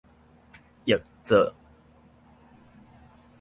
譯做